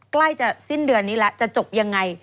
ใกล้จะสิ้นเดือนนี้แล้วจะจบยังไง